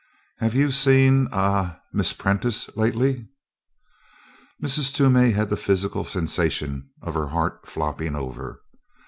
"Have you seen a Miss Prentice lately?" Mrs. Toomey had the physical sensation of her heart flopping over.